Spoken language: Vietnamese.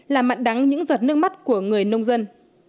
làm mặn đắng những giọt nước mắt của người nông dân